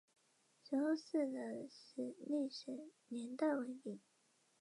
石沟寺的历史年代为明。